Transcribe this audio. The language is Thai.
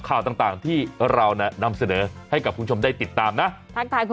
เกิดอะไรขึ้นแล้วคะเนี่ย